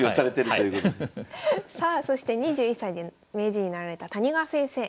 さあそして２１歳で名人になられた谷川先生。